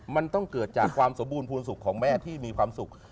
มันต้องเกิดจากความสมบูรณภูมิสุขของแม่ที่มีความสุข